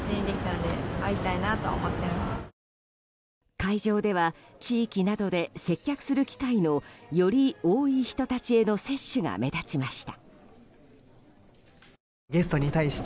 会場では地域などで接客する機会のより多い人たちへの接種が目立ちました。